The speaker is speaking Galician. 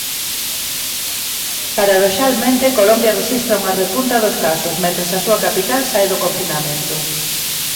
Paradoxalmente Colombia rexistra unha repunta dos casos, mentres a súa capital sae do confinamento.